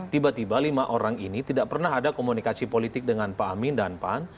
tiba tiba lima orang ini tidak pernah ada komunikasi politik dengan pak amin dan pan